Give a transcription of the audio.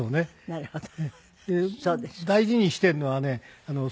なるほど。